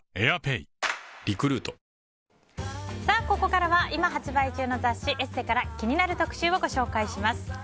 ここからは今発売中の雑誌「ＥＳＳＥ」から気になる特集をご紹介します。